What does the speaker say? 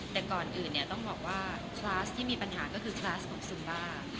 แต่ก่อนอื่นเนี่ยต้องบอกว่าคลาสที่มีปัญหาก็คือคลาสของซุมบ้า